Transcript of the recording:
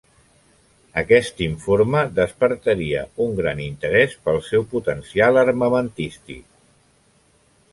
Aquest informe despertaria un gran interès, pel seu potencial armamentístic.